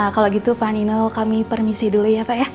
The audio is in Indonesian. kalau gitu pak nino kami permisi dulu ya pak ya